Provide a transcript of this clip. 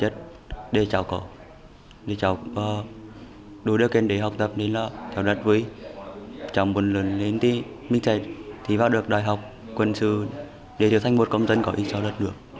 trong một lần đến mình sẽ vào được đại học quân sự để trở thành một công dân có ý cho lật được